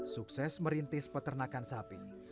sukses merintis peternakan sapi